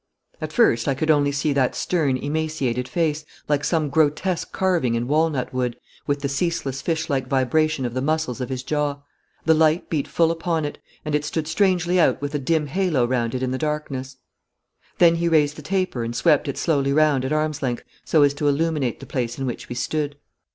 At first I could only see that stern, emaciated face, like some grotesque carving in walnut wood, with the ceaseless fishlike vibration of the muscles of his jaw. The light beat full upon it, and it stood strangely out with a dim halo round it in the darkness. Then he raised the taper and swept it slowly round at arm's length so as to illuminate the place in which we stood.